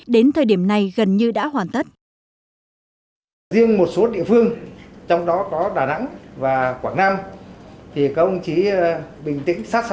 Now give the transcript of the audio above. đến thời điểm này gần như đã hoàn tất